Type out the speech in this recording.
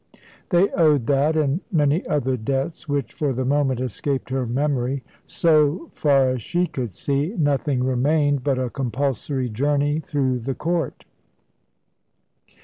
They owed that, and many other debts which, for the moment, escaped her memory. So far as she could see, nothing remained but a compulsory journey through the court.